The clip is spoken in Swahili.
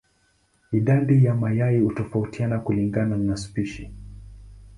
Idadi ya mayai hutofautiana kulingana na spishi.